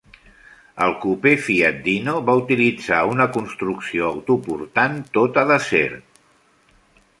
El cupè Fiat Dino va utilitzar una construcció autoportant tota d'acer.